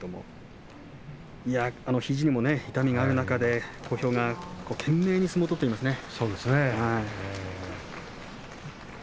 肘にも痛みがある中で小兵が懸命に相撲を取っていますね。